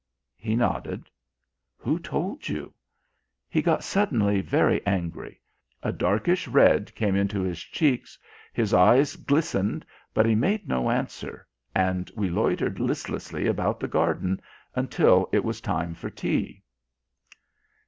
He nodded. "Who told you?" He got suddenly very angry; a darkish red came into his cheeks, his eyes glistened, but he made no answer, and we loitered listlessly about the garden until it was time for tea....